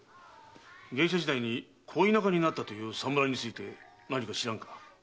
芸者時代に恋仲になったという侍について何か知らんか？